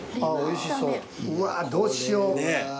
うわどうしよう。